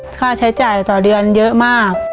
ค่าใช้จ่ายต่อเดือนเยอะมาก